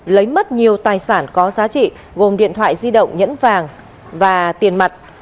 lấy mất nhiều tài sản có giá trị gồm điện thoại di động nhẫn vàng và tiền mặt